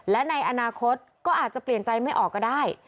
และในอนาคตก็อาจจะเปลี่ยนใจไม่ออกก็ได้